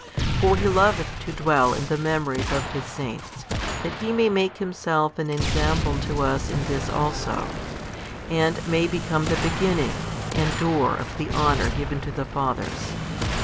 For He loveth to dwell in the memories of His saints, that He may make Himself an en sample to us in this also, and may become the Beginning |204 and Door of the honour given to the fathers.